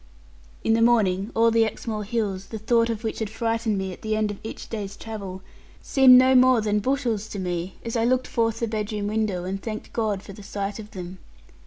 In the morning all the Exmoor hills, the thought of which had frightened me at the end of each day's travel, seemed no more than bushels to me, as I looked forth the bedroom window, and thanked God for the sight of them.